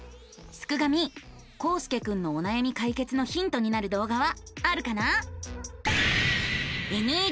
すくガミこうすけくんのおなやみ解決のヒントになる動画はあるかな？